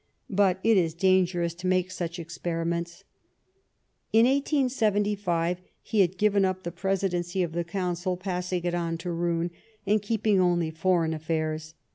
But it is dangerous to make such experi ments." In 1875 he had given up the Presidency of the Council, passing it on to Roon, and keeping only foreign affairs.